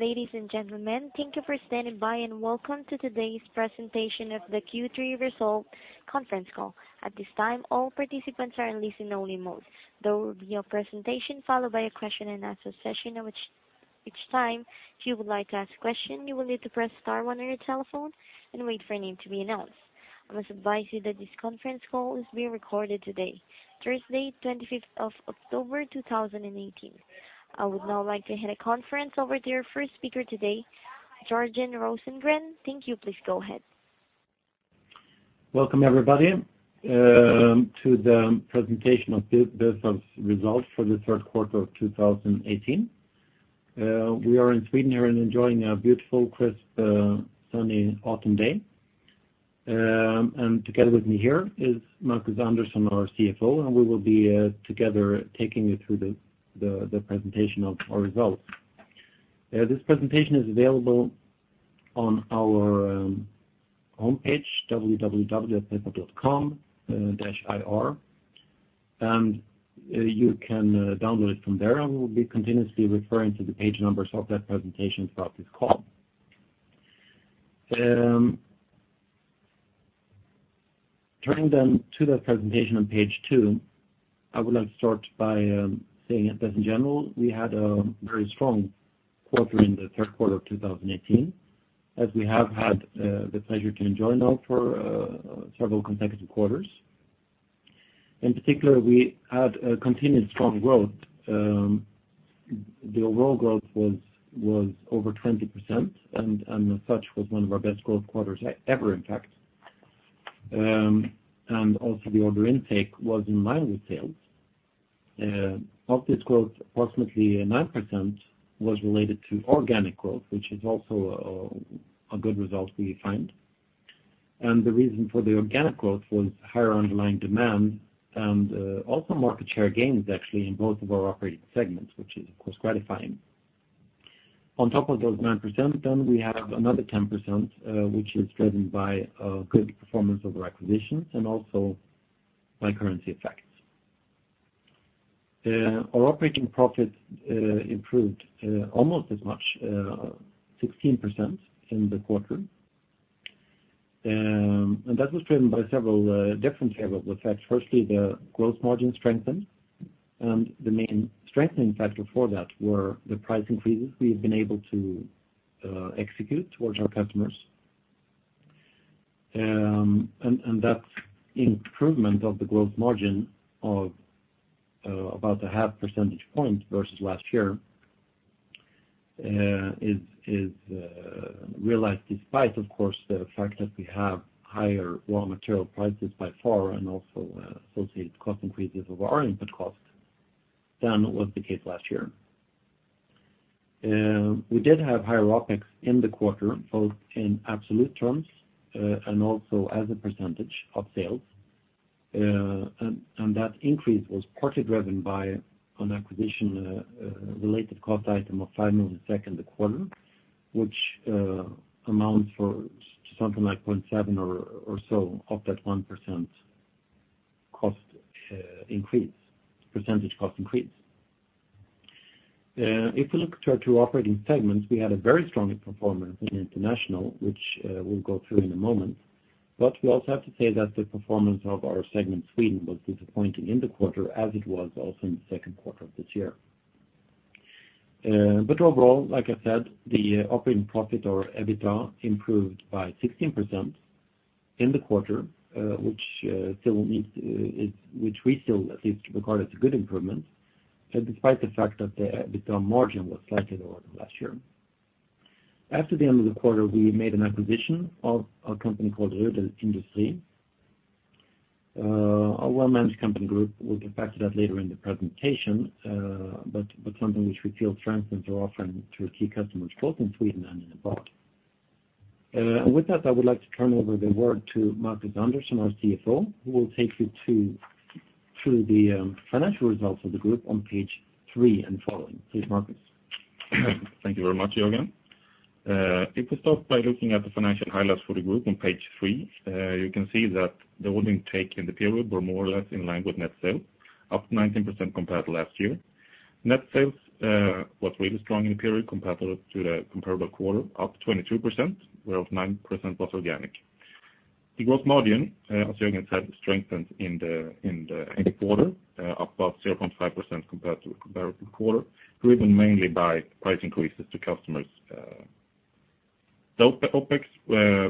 Ladies and gentlemen, thank you for standing by, and welcome to today's presentation of the Q3 Result conference call. At this time, all participants are in listen only mode. There will be a presentation followed by a question and answer session, at which time if you would like to ask a question, you will need to press star one on your telephone and wait for your name to be announced. I must advise you that this conference call is being recorded today, Thursday, 25th of October, 2018. I would now like to hand the conference over to our first speaker today, Jörgen Rosengren. Thank you. Please go ahead. Welcome, everybody, to the presentation of the Bufab's results for the third quarter of 2018. We are in Sweden here and enjoying a beautiful, crisp, sunny autumn day. Together with me here is Marcus Andersson, our CFO, and we will be together taking you through the presentation of our results. This presentation is available on our homepage, www.bufab.com/ir, and you can download it from there. I will be continuously referring to the page numbers of that presentation throughout this call. Turning then to that presentation on Page two, I would like to start by saying that in general, we had a very strong quarter in the third quarter of 2018, as we have had the pleasure to enjoy now for several consecutive quarters. In particular, we had a continued strong growth. The overall growth was over 20%, and as such, was one of our best growth quarters ever, in fact. And also the order intake was in line with sales. Of this growth, approximately 9% was related to organic growth, which is also a good result, we find. The reason for the organic growth was higher underlying demand and also market share gains, actually, in both of our operating segments, which is, of course, gratifying. On top of those 9%, then we have another 10%, which is driven by a good performance of our acquisitions and also by currency effects. Our operating profit improved almost as much, 16% in the quarter. That was driven by several different favorable effects. Firstly, the gross margin strengthened, and the main strengthening factor for that were the price increases we've been able to execute towards our customers. And that improvement of the gross margin of about 0.5 percentage point versus last year is realized, despite, of course, the fact that we have higher raw material prices by far and also associated cost increases of our input costs than was the case last year. We did have higher OpEx in the quarter, both in absolute terms and also as a percentage of sales. And that increase was partly driven by an acquisition related cost item of 5 million in the quarter, which amounts to something like 0.7 or so of that 1% cost increase, percentage cost increase. If we look at our two operating segments, we had a very strong performance in international, which we'll go through in a moment. But we also have to say that the performance of our segment, Sweden, was disappointing in the quarter, as it was also in the second quarter of this year. But overall, like I said, the operating profit or EBITDA improved by 16% in the quarter, which we still at least regard as a good improvement, despite the fact that the EBITDA margin was slightly lower than last year. After the end of the quarter, we made an acquisition of a company called Rudhäll Industri, a well-managed company group. We'll get back to that later in the presentation, but, but something which we feel strengthens our offering to our key customers, both in Sweden and abroad. And with that, I would like to turn over the word to Marcus Andersson, our CFO, who will take you through the financial results of the group on page three and following. Please, Marcus. Thank you very much, Jörgen. If we start by looking at the financial highlights for the group on Page three, you can see that the order intake in the period were more or less in line with net sales, up 19% compared to last year. Net sales was really strong in the period compared to the comparable quarter, up 22%, whereof 9% was organic. The gross margin, as Jörgen said, strengthened in the quarter, up about 0.5% compared to the comparable quarter, driven mainly by price increases to customers. The OpEx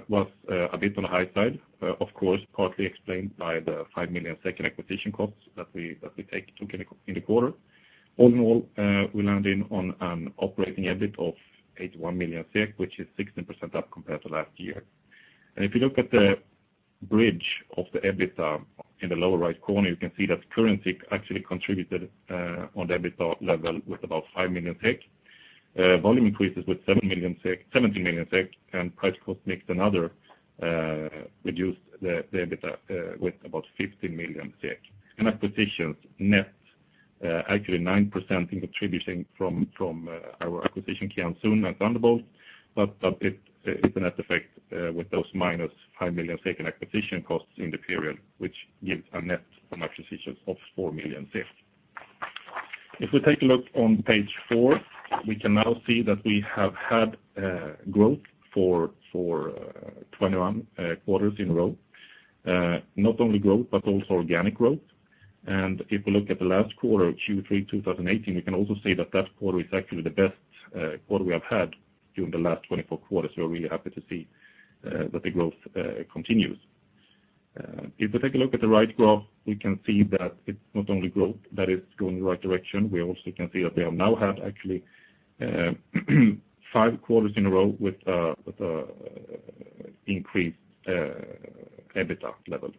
was a bit on the high side, of course, partly explained by the 5 million acquisition costs that we took in the quarter. All in all, we landed on an operating EBIT of 81 million, which is 16% up compared to last year. And if you look at the bridge of the EBITDA in the lower right corner, you can see that currency actually contributed on the EBITDA level with about 5 million SEK. Volume increases with 7 million SEK, 17 million SEK, and price cost mix and other reduced the EBITDA with about 50 million. And acquisitions, net, actually 9% in contributing from our acquisition, Kian Soon, but it is a net effect with those -5 million acquisition costs in the period, which gives a net on acquisitions of 4 million. If we take a look on page four, we can now see that we have had growth for 21 quarters in a row. Not only growth, but also organic growth. If we look at the last quarter, Q3 2018, we can also see that that quarter is actually the best quarter we have had during the last 24 quarters. We are really happy to see that the growth continues. If we take a look at the right graph, we can see that it's not only growth that is going in the right direction, we also can see that we have now had actually five quarters in a row with increased EBITDA level.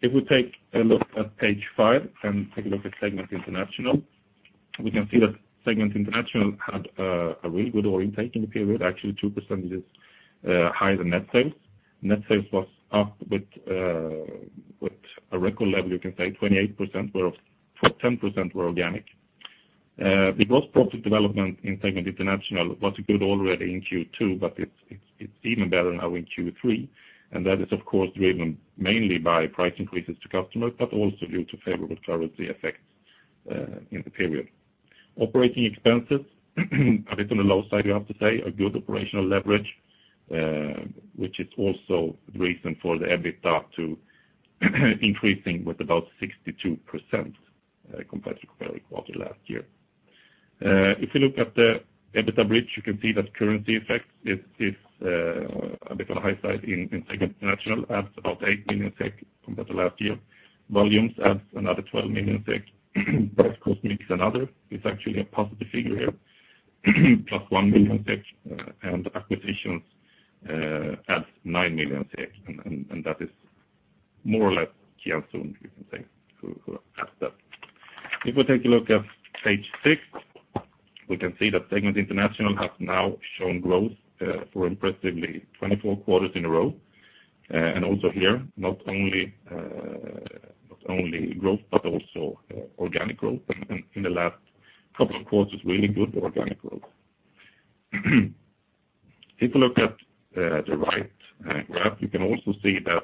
If we take a look at Page five and take a look at Segment International, we can see that Segment International had a really good order intake in the period, actually 2% higher than net sales. Net sales was up with a record level, you can say, 28%, whereof 10% were organic. The gross profit development in Segment International was good already in Q2, but it's even better now in Q3, and that is, of course, driven mainly by price increases to customers, but also due to favorable currency effects in the period. Operating expenses, a bit on the low side, you have to say, a good operational leverage, which is also the reason for the EBITDA to increasing with about 62% compared to quarter last year. If you look at the EBITDA bridge, you can see that currency effect is a bit on the high side in Segment International, adds about 8 million SEK compared to last year. Volumes adds another 12 million SEK. Price cost mix another, it's actually a positive figure here. +1 million SEK, and acquisitions adds 9 million SEK, and that is more or less tied to Kian Soon, you can say, to add that. If we take a look at page 6, we can see that Segment International has now shown growth for impressively 24 quarters in a row. And also here, not only growth, but also organic growth. In the last couple of quarters, really good organic growth. If you look at the right graph, you can also see that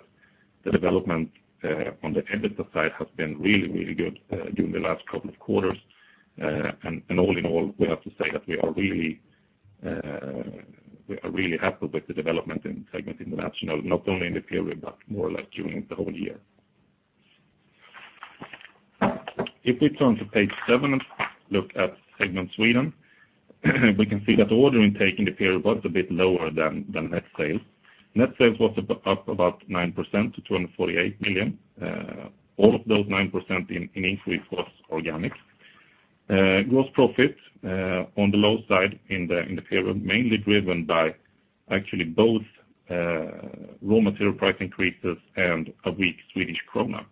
the development on the EBITDA side has been really, really good during the last couple of quarters. And all in all, we have to say that we are really happy with the development in Segment International, not only in the period, but more like during the whole year. If we turn to Page seven and look at Segment Sweden, we can see that order intake in the period was a bit lower than net sales. Net sales was up about 9% to 248 million. All of those 9% increase was organic. Gross profit on the low side in the period, mainly driven by actually both raw material price increases and a weak Swedish krona.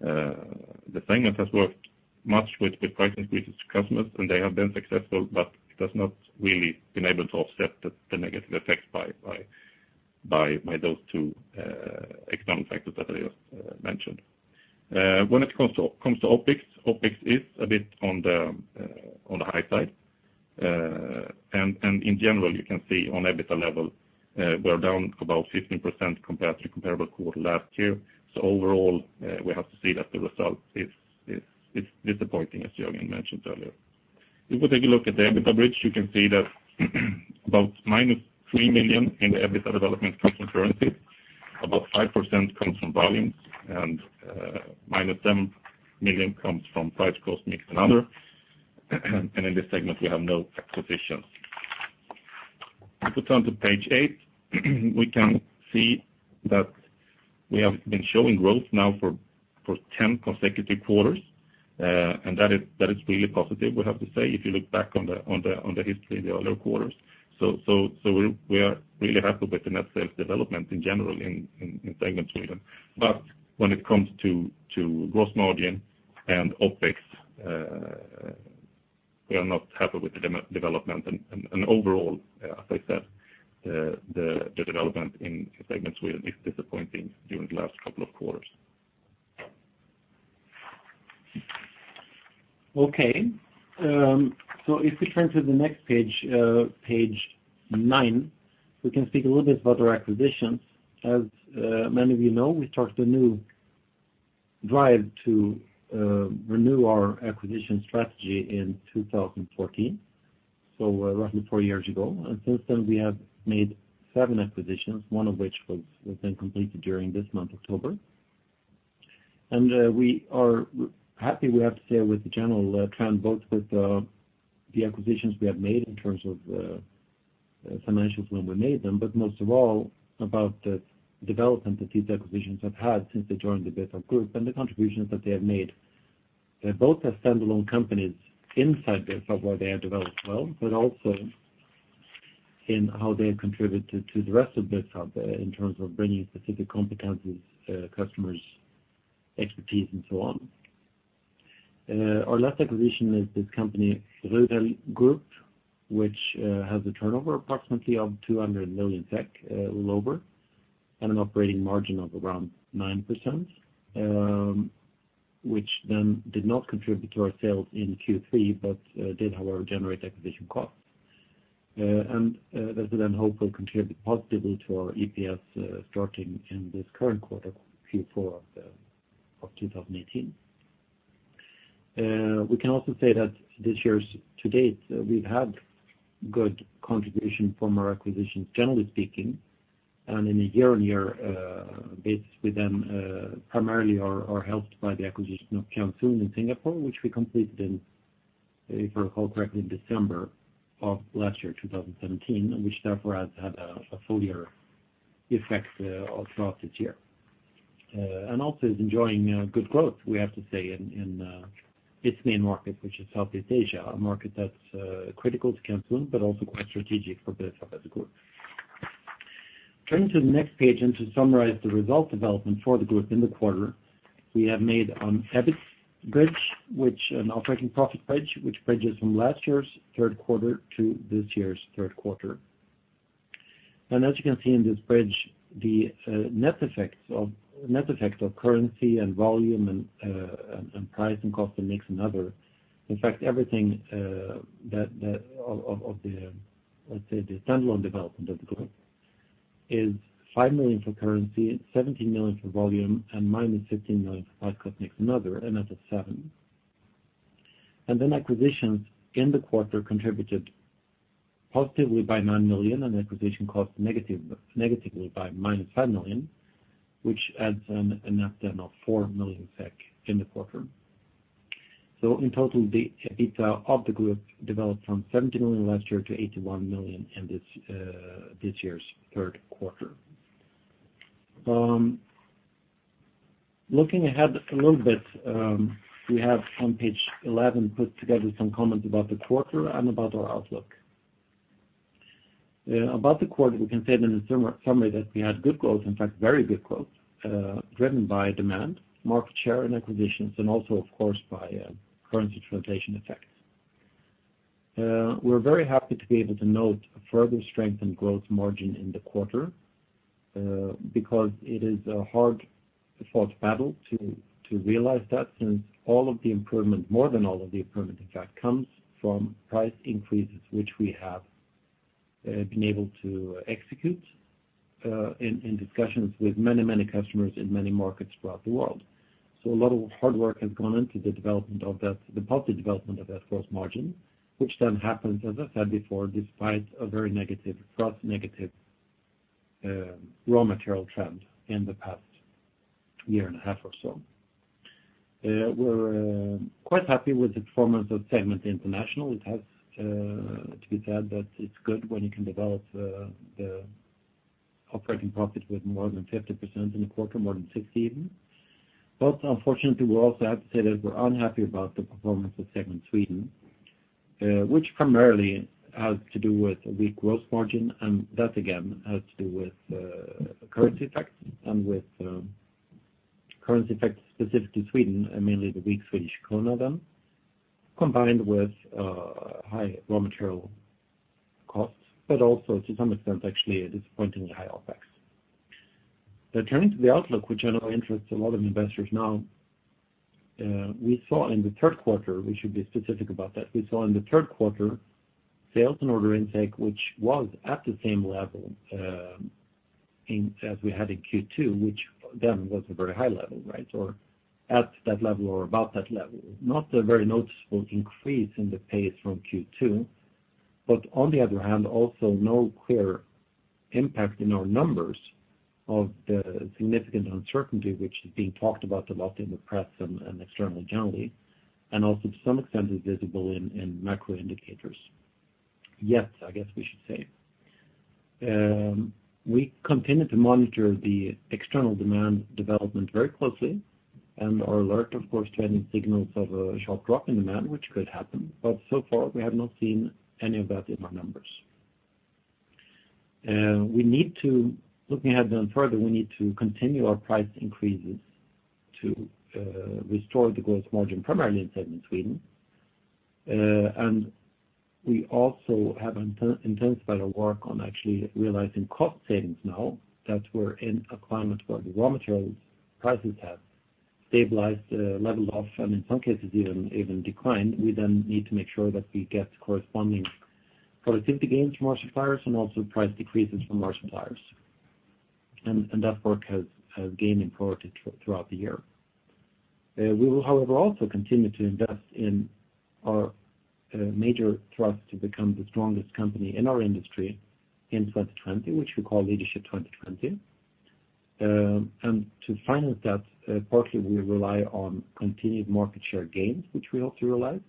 The segment has worked much with the price increases to customers, and they have been successful, but it has not really been able to offset the negative effects by those two economic factors that I just mentioned. When it comes to OpEx, OpEx is a bit on the high side. And in general, you can see on EBITDA level, we're down about 15% compared to comparable quarter last year. So overall, we have to see that the result is disappointing, as Jörgen mentioned earlier. If we take a look at the EBITDA bridge, you can see that about -3 million in the EBITDA development comes from currency, about 5% comes from volumes, and -10 million comes from price, cost mix and other. In this segment, we have no acquisitions. If we turn to Page eight, we can see that we have been showing growth now for 10 consecutive quarters, and that is really positive, we have to say, if you look back on the history of the earlier quarters. So we are really happy with the net sales development in general in Segment Sweden. But when it comes to gross margin and OpEx, we are not happy with the development. Overall, as I said, the development in segment Sweden is disappointing during the last couple of quarters. Okay, so if we turn to the next page, Page nine, we can speak a little bit about our acquisitions. As many of you know, we started a new drive to renew our acquisition strategy in 2014, so roughly four years ago. And since then, we have made seven acquisitions, one of which was then completed during this month, October. We are happy, we have to say, with the general trend, both with the acquisitions we have made in terms of financials when we made them, but most of all, about the development that these acquisitions have had since they joined the Bufab Group and the contributions that they have made. Both as standalone companies inside Bufab, where they have developed well, but also in how they have contributed to, to the rest of Bufab, in terms of bringing specific competencies, customers, expertise, and so on. Our last acquisition is this company, Rudhäll Group, which has a turnover approximately of 200 million, a little over, and an operating margin of around 9%, which then did not contribute to our sales in Q3, but did, however, generate acquisition costs. And that is then hope will contribute positively to our EPS, starting in this current quarter, Q4 of the, of 2018. We can also say that this year's to date, we've had good contribution from our acquisitions, generally speaking, and in a year-over-year basis, we then primarily are helped by the acquisition of Kian Soon in Singapore, which we completed in, if I recall correctly, in December of last year, 2017, and which therefore has had a full year effect throughout this year. And also is enjoying good growth, we have to say, in its main market, which is Southeast Asia, a market that's critical to Kian Soon, but also quite strategic for Bufab as a group. Turning to the next page, and to summarize the result development for the group in the quarter, we have made an EBIT bridge, which an operating profit bridge, which bridges from last year's third quarter to this year's third quarter. And as you can see in this bridge, the net effect of currency and volume and price and cost mix and other. In fact, everything that of the standalone development of the group is 5 million for currency, 17 million for volume, and -15 million for price cost mix and other, and that's a seven. And then acquisitions in the quarter contributed positively by 9 million, and acquisition cost negatively by -5 million, which adds a net of 4 million SEK in the quarter. So in total, the EBITDA of the group developed from 70 million last year to 81 million in this year's third quarter. Looking ahead a little bit, we have on Page 11 put together some comments about the quarter and about our outlook. About the quarter, we can say that in summary, that we had good growth, in fact, very good growth, driven by demand, market share, and acquisitions, and also, of course, by currency translation effects. We're very happy to be able to note a further strength in growth margin in the quarter, because it is a hard-fought battle to realize that since all of the improvement, more than all of the improvement, in fact, comes from price increases, which we have been able to execute in discussions with many, many customers in many markets throughout the world. So a lot of hard work has gone into the development of that, the positive development of that gross margin, which then happens, as I said before, despite a very negative, gross negative, raw material trend in the past year and a half or so. We're quite happy with the performance of Segment International. It has to be said that it's good when you can develop the operating profit with more than 50% in the quarter, more than 60 even. But unfortunately, we also have to say that we're unhappy about the performance of Segment Sweden, which primarily has to do with a weak growth margin, and that, again, has to do with currency effects and with currency effects specific to Sweden, and mainly the weak Swedish krona then, combined with high raw material costs, but also to some extent, actually a disappointingly high OpEx. Now, turning to the outlook, which generally interests a lot of investors now, we saw in the third quarter, we should be specific about that. We saw in the third quarter, sales and order intake, which was at the same level, as we had in Q2, which then was a very high level, right? So at that level or about that level, not a very noticeable increase in the pace from Q2, but on the other hand, also no clear impact in our numbers of the significant uncertainty which is being talked about a lot in the press and external generally, and also to some extent, is visible in macro indicators. Yet, I guess we should say, we continue to monitor the external demand development very closely and are alert, of course, to any signals of a sharp drop in demand, which could happen. But so far, we have not seen any of that in our numbers. We need to... Looking ahead then further, we need to continue our price increases to restore the gross margin, primarily in segment Sweden. We also have intensified our work on actually realizing cost savings now that we're in a climate where the raw materials prices have stabilized, leveled off, and in some cases, even declined. We then need to make sure that we get corresponding productivity gains from our suppliers and also price decreases from our suppliers. And that work has gained in priority throughout the year. We will, however, also continue to invest in our major thrust to become the strongest company in our industry in 2020, which we call Leadership 2020. And to finance that, partly we rely on continued market share gains, which we hope to realize,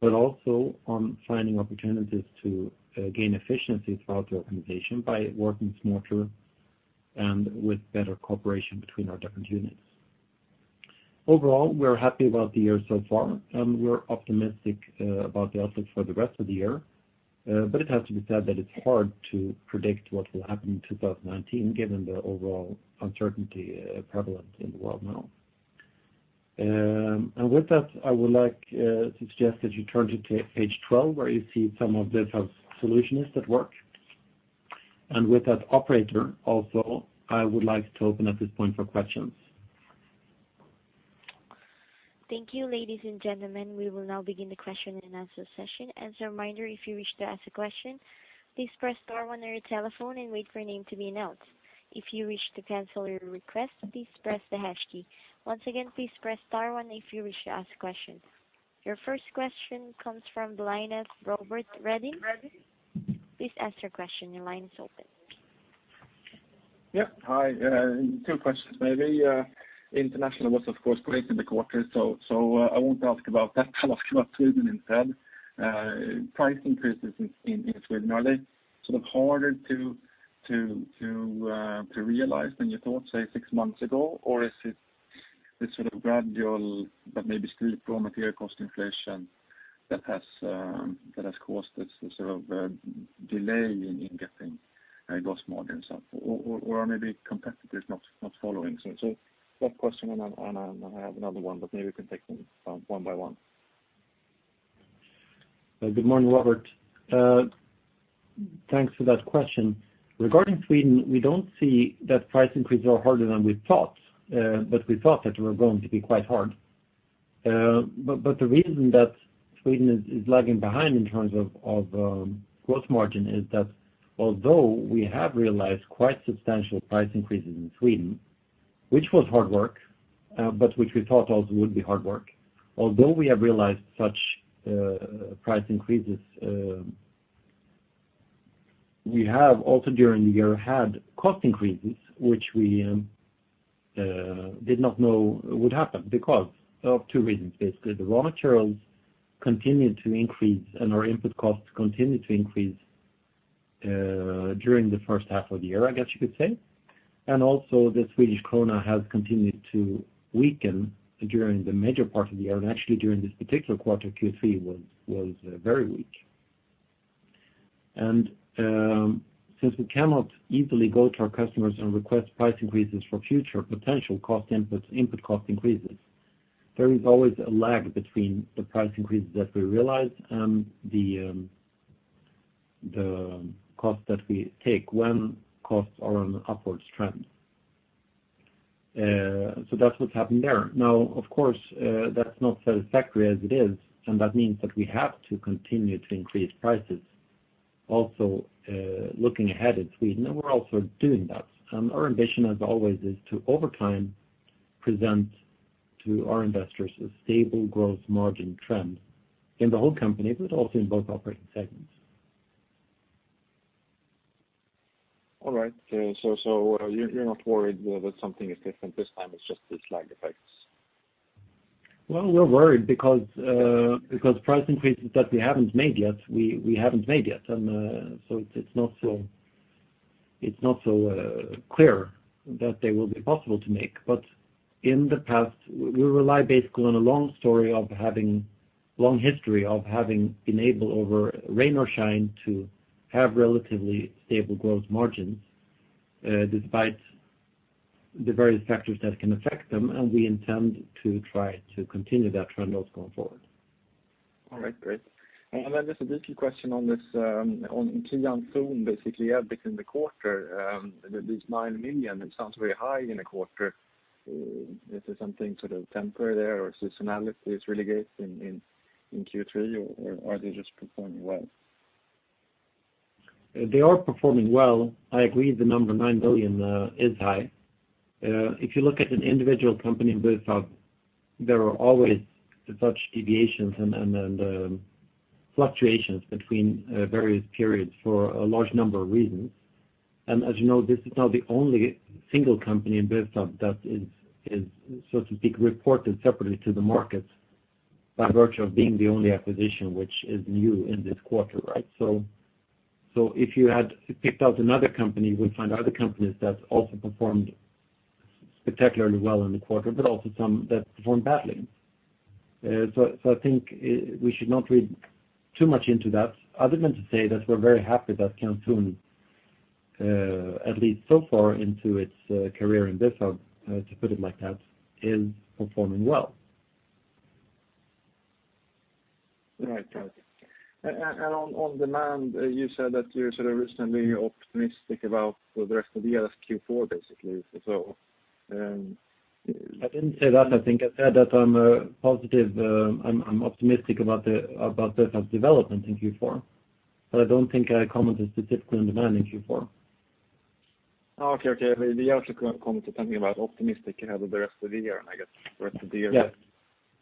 but also on finding opportunities to gain efficiency throughout the organization by working smarter and with better cooperation between our different units. Overall, we're happy about the year so far, and we're optimistic about the outlook for the rest of the year. But it has to be said that it's hard to predict what will happen in 2019, given the overall uncertainty prevalent in the world now. And with that, I would like to suggest that you turn to Page 12, where you see some of this as Solutionists at work. And with that, operator, also, I would like to open at this point for questions. Thank you, ladies and gentlemen, we will now begin the question and answer session. As a reminder, if you wish to ask a question, please press star one on your telephone and wait for your name to be announced. If you wish to cancel your request, please press the hash key. Once again, please press star one if you wish to ask a question. Your first question comes from the line of Robert Redin. Please ask your question. Your line is open. Yep. Hi, two questions maybe. International was, of course, great in the quarter, so I won't ask about that. I'll ask about Sweden instead. Price increases in Sweden, are they sort of harder to realize than you thought, say, six months ago? Or is it this sort of gradual, but maybe still raw material cost inflation that has caused this sort of delay in getting gross margins up? Or are maybe competitors not following? So that question, and then I have another one, but maybe you can take them one by one. Good morning, Robert. Thanks for that question. Regarding Sweden, we don't see that price increases are harder than we thought, but we thought that they were going to be quite hard. But the reason that Sweden is lagging behind in terms of growth margin is that although we have realized quite substantial price increases in Sweden, which was hard work, but which we thought also would be hard work. Although we have realized such price increases, we have also during the year had cost increases, which we did not know would happen because of two reasons, basically. The raw materials continued to increase, and our input costs continued to increase during the first half of the year, I guess you could say. Also, the Swedish krona has continued to weaken during the major part of the year, and actually, during this particular quarter, Q3 was very weak. Since we cannot easily go to our customers and request price increases for future potential cost inputs, input cost increases, there is always a lag between the price increases that we realize and the cost that we take when costs are on an upwards trend. So that's what's happened there. Now, of course, that's not satisfactory as it is, and that means that we have to continue to increase prices. Also, looking ahead at Sweden, and we're also doing that, and our ambition, as always, is to, over time, present to our investors a stable growth margin trend in the whole company, but also in both operating segments. All right. So, you're not worried that something is different this time, it's just the lag effects? Well, we're worried because price increases that we haven't made yet, we haven't made yet. And so it's not so clear that they will be possible to make. But in the past, we rely basically on a long history of having been able, over rain or shine, to have relatively stable gross margins, despite the various factors that can affect them, and we intend to try to continue that trend also going forward. All right, great. And then just a quick question on this, on Kian Soon, basically, yeah, between the quarter, these 9 million, it sounds very high in a quarter. Is there something sort of temporary there, or seasonality is really good in Q3, or are they just performing well? They are performing well. I agree the number 9 million is high. If you look at an individual company in Bufab, there are always such deviations and fluctuations between various periods for a large number of reasons. And as you know, this is now the only single company in Bufab that is, so to speak, reported separately to the market by virtue of being the only acquisition which is new in this quarter, right? So if you had picked out another company, you would find other companies that also performed spectacularly well in the quarter, but also some that performed badly. I think we should not read too much into that, other than to say that we're very happy that Kian Soon, at least so far into its career in Bufab, to put it like that, is performing well. Right. Right. And on demand, you said that you're sort of reasonably optimistic about the rest of the year, Q4, basically, so? I didn't say that, I think. I said that I'm positive, I'm optimistic about Bufab's development in Q4, but I don't think I commented specifically on demand in Q4. Okay, okay. You also commented something about optimistic about the rest of the year, and I guess rest of the year- Yes.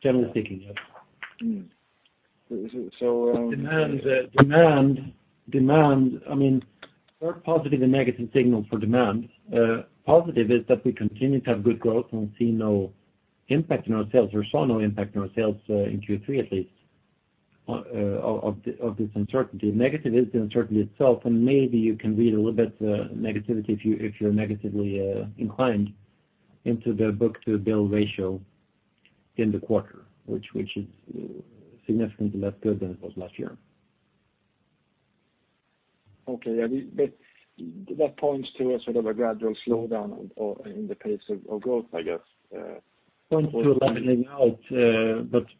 Generally speaking, yes. So, Demand, demand, I mean, there are positive and negative signals for demand. Positive is that we continue to have good growth and we see no impact on our sales or saw no impact on our sales in Q3 at least of this uncertainty. Negative is the uncertainty itself, and maybe you can read a little bit negativity if you, if you're negatively inclined into the book-to-bill ratio in the quarter, which is significantly less good than it was last year. Okay, yeah, but that points to a sort of a gradual slowdown or in the pace of growth, I guess. Points to leveling out,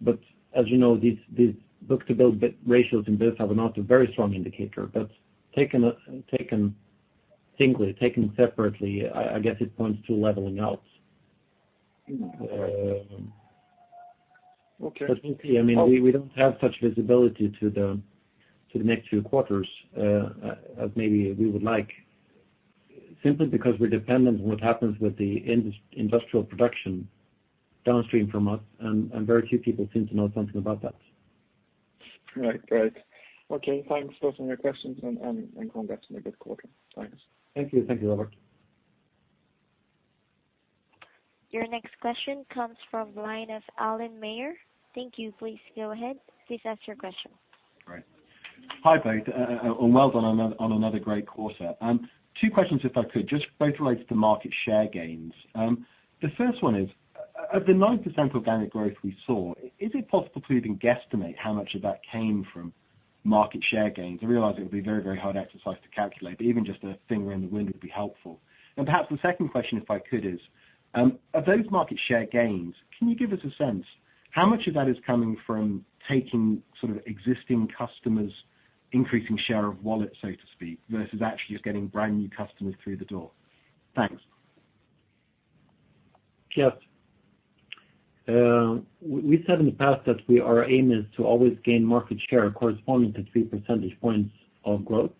but as you know, these book-to-bill ratios in Bufab are not a very strong indicator. But taken singly, taken separately, I guess it points to leveling out. Okay. But we'll see. I mean, we don't have such visibility to the next few quarters, as maybe we would like, simply because we're dependent on what happens with the industrial production downstream from us, and very few people seem to know something about that. Right. Right. Okay, thanks for answering your questions and congrats on a good quarter. Thanks. Thank you. Thank you, Robert. Your next question comes from the line of Alan Mayer. Thank you. Please go ahead. Please ask your question. Great. Hi, both, and well done on another great quarter. Two questions, if I could, just both related to market share gains. The first one is, of the 9% organic growth we saw, is it possible to even guesstimate how much of that came from market share gains? I realize it would be a very, very hard exercise to calculate, but even just a finger in the wind would be helpful. And perhaps the second question, if I could, is, of those market share gains, can you give us a sense how much of that is coming from taking sort of existing customers, increasing share of wallet, so to speak, versus actually just getting brand new customers through the door? Thanks. Yes. We said in the past that our aim is to always gain market share corresponding to three percentage points of growth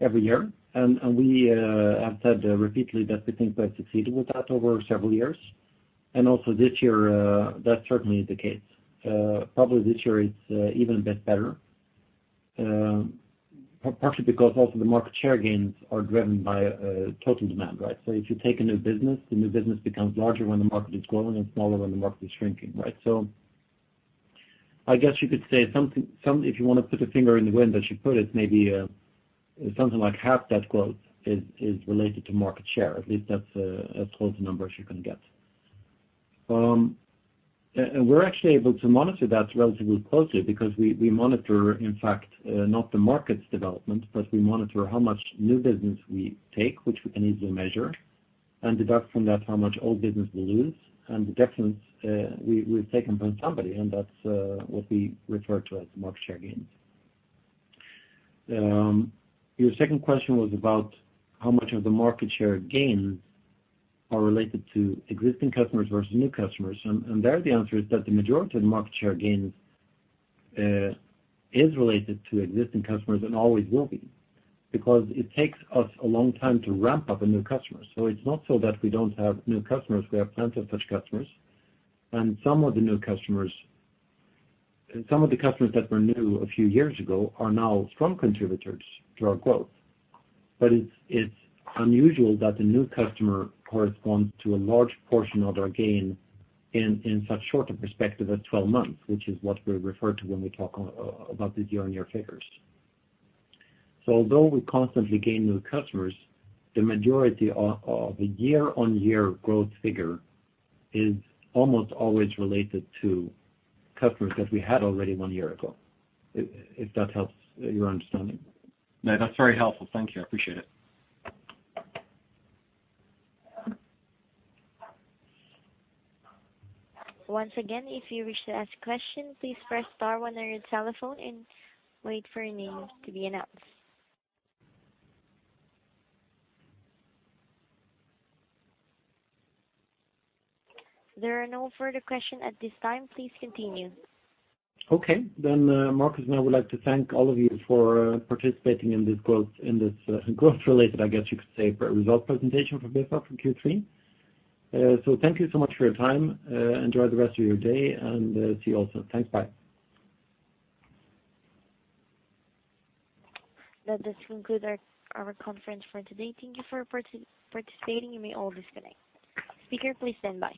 every year, and we have said repeatedly that we think we have succeeded with that over several years. And also this year, that certainly is the case. Probably this year it's even a bit better, partially because also the market share gains are driven by total demand, right? So if you take a new business, the new business becomes larger when the market is growing and smaller when the market is shrinking, right? So I guess you could say something. If you wanna put a finger in the wind, as you put it, maybe something like half that growth is related to market share. At least that's as close a number as you can get. And we're actually able to monitor that relatively closely because we monitor, in fact, not the market's development, but we monitor how much new business we take, which we can easily measure, and deduct from that how much old business we lose, and the difference we've taken from somebody, and that's what we refer to as market share gains. Your second question was about how much of the market share gains are related to existing customers versus new customers. And there, the answer is that the majority of the market share gains is related to existing customers and always will be, because it takes us a long time to ramp up a new customer. So it's not so that we don't have new customers. We have plenty of such customers, and some of the new customers—and some of the customers that were new a few years ago, are now strong contributors to our growth. But it's unusual that a new customer corresponds to a large portion of their gain in such short a perspective as 12 months, which is what we refer to when we talk about the year-over-year figures. So although we constantly gain new customers, the majority of the year-over-year growth figure is almost always related to customers that we had already 1 year ago, if that helps your understanding. No, that's very helpful. Thank you. I appreciate it. Once again, if you wish to ask a question, please press star one on your telephone and wait for your name to be announced. There are no further questions at this time. Please continue. Okay. Then, Marcus and I would like to thank all of you for participating in this growth, in this growth-related, I guess you could say, results presentation for Bufab from Q3. So thank you so much for your time. Enjoy the rest of your day, and see you all soon. Thanks. Bye. That does conclude our conference for today. Thank you for participating. You may all disconnect. Speaker, please stand by.